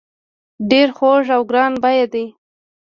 ډیر خوږ او ګران بیه دي.